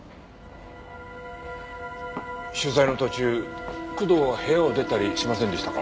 取材の途中工藤は部屋を出たりしませんでしたか？